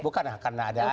bukan karena ada